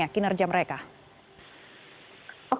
boleh ini feri till